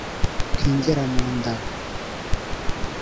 ntingera mu nda